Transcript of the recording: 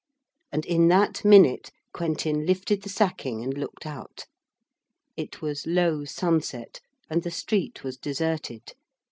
And in that minute Quentin lifted the sacking, and looked out. It was low sunset, and the street was deserted.